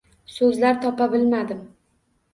So’zlar topa bilmadim.